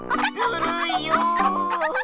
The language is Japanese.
ずるいよ！